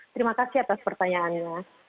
terima kasih atas pertanyaannya